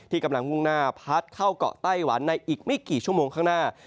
กำลังมุ่งหน้าพัดเข้าเกาะไต้หวันในอีกไม่กี่ชั่วโมงข้างหน้า